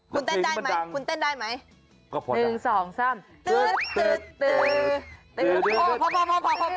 คุณเต้นได้ไหม